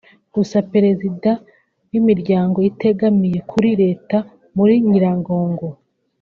Gusa Perezida w’Imiryango itegamiye kuri Leta muri Nyiragongo